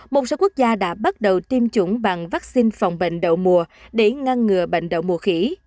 một số quốc gia đã bắt đầu tiêm chủng bằng vaccine phòng bệnh đậu mùa để ngăn ngừa bệnh đậu mùa khỉ